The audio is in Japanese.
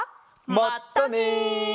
まったね！